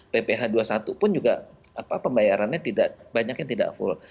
pph dua puluh satu pun juga pembayarannya banyak yang tidak full